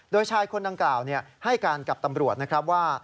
โดยชายคนดังกล่าวให้การกับตำรวจนะครับว่า